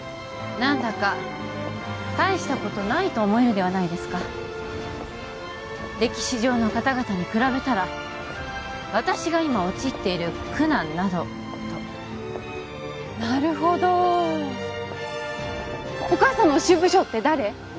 何だか大したことないと思えるではないですか歴史上の方々に比べたら私が今陥っている苦難などとなるほどお母さんの推し武将って誰？